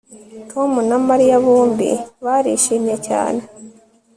Tom na Mariya bombi barishimye cyane